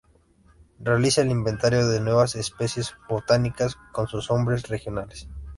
Realiza el inventario de nuevas especies botánicas, con sus nombres regionales.